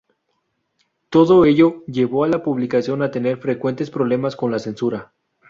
Todo ello llevó a la publicación a tener frecuentes problemas con la censura.